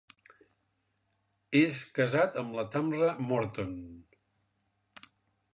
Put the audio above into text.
És casat amb la Tamra Morton.